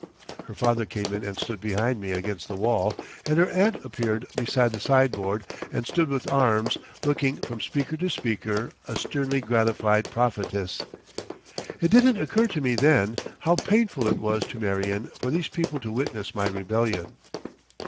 Her father came in and stood behind me against the wall, and her aunt appeared beside the sideboard and stood with arms, looking from speaker to speaker, a sternly gratified prophetess. It didn't occur to me then! How painful it was to Marion for these people to witness my rebellion.